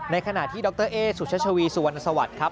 ขณะที่ดรเอสุชวีสุวรรณสวัสดิ์ครับ